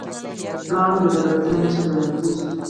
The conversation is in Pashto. پړانګ د زړورتیا نښه ګڼل کېږي.